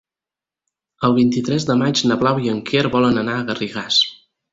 El vint-i-tres de maig na Blau i en Quer volen anar a Garrigàs.